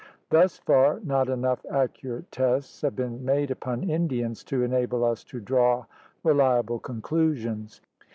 Thus far not enough accurate tests have been made upon Indians to enable us to draw reliable conclusions.